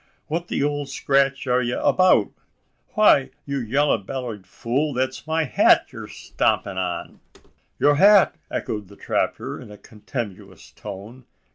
"What the ole scratch air ye abeout? Why, ye yeller bellied fool, thet's my hat yeer stompin' on!" "Your hat!" echoed the trapper in a contemptuous tone.